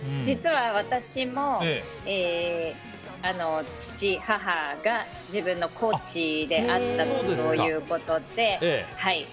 実は私も父、母が自分のコーチであったということで。